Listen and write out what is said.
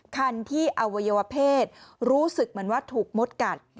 คันที่อวัยวเพศรู้สึกเหมือนว่าถูกมดกัด